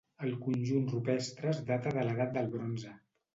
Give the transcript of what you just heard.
El conjunt rupestre es data de l'edat del bronze.